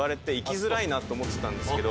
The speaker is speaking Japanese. なと思ってたんですけど。